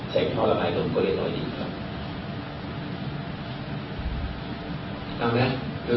ใช้ท่อระบายล้มกรณีต่อดี